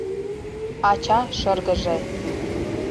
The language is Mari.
Ача шыргыже: